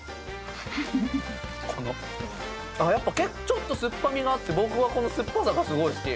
ちょっと酸っぱみがあって僕はこの酸っぱさがすごい好き。